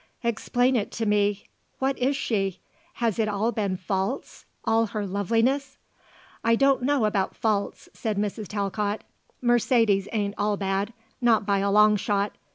"Explain it to me. What is she? Has it all been false all her loveliness?" "I don't know about false," said Mrs. Talcott. "Mercedes ain't all bad; not by a long shot.